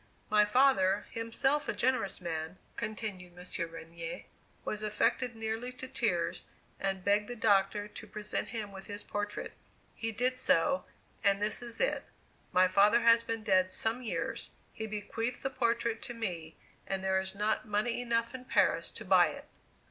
My father, himself a generous man," continued M. Regnier, "was affected nearly to tears, and begged the Doctor to present him with his portrait. He did so, and this is it. My father has been dead some years. He bequeathed the portrait to me, and there is not money enough in Paris to buy it."